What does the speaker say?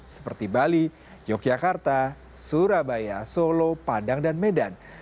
seperti bali yogyakarta surabaya solo padang dan medan